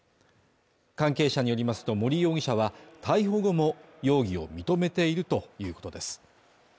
関係者によりますと森容疑者は逮捕後も容疑を認めているということです